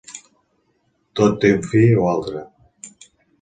Tot té un fi o altre.